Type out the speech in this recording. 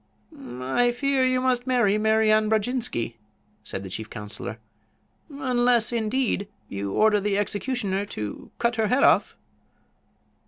"I fear you must marry Mary Ann Brodjinski," answered the chief counselor; "unless, indeed, you order the executioner to cut her head off."